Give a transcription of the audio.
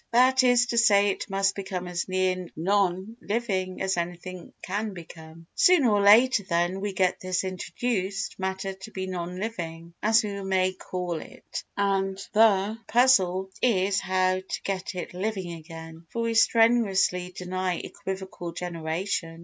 That is to say it must become as near non living as anything can become. Sooner or later, then, we get this introduced matter to be non living (as we may call it) and the puzzle is how to get it living again. For we strenuously deny equivocal generation.